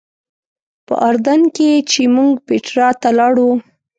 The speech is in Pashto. په اردن کې چې موږ پیټرا ته لاړو.